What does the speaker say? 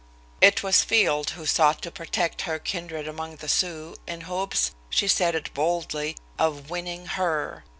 It was Field who sought to protect her kindred among the Sioux in hopes, she said it boldly, of winning her.